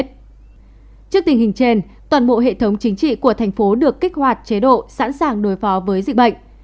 trước tình hình trên toàn bộ hệ thống chính trị của thành phố được kích hoạt chế độ sẵn sàng đối phó với dịch bệnh